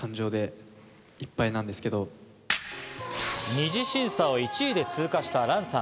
２次審査を１位で通過したランさん。